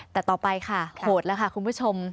แต่ต่อไปค่ะโหดแล้วค่ะคุณผู้ชม